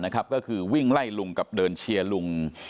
ก็คือวิ่งไล่ลุงกับเดินเชียร์ลุง